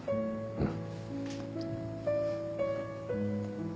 うん。